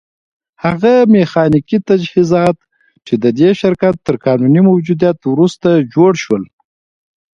هغه ميخانيکي تجهيزات چې د دې شرکت تر قانوني موجوديت وروسته جوړ شول.